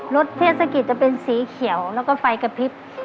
เทศกิจจะเป็นสีเขียวแล้วก็ไฟกระพริบ